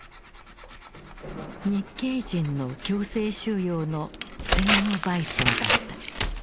日系人の強制収容の戦後賠償だった。